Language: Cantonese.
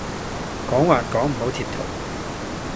講還講唔好貼圖